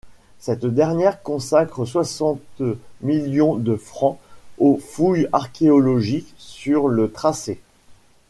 Cette dernière consacre soixante millions de francs aux fouilles archéologiques sur le tracé.